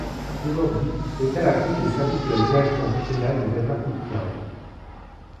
Aujourd'hui, l'hôtel abrite les services de la direction régionale des affaires culturelles.